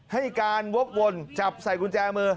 ให้การวกวนจับใส่กุญแจมือ